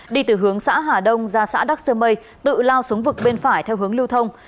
đi từ hướng xã hà đông ra xã đắc sơ mây tự lao xuống vực bên phải theo hướng lưu thông